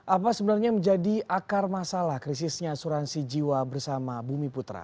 apa sebenarnya yang menjadi akar masalah krisisnya asuransi jiwa bersama bumi putra